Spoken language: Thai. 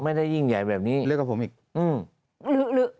แต่ได้ยินจากคนอื่นแต่ได้ยินจากคนอื่น